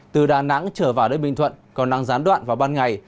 từ đà nẵng trở vào đến bình thuận còn nắng gián đoạn vào ban ngày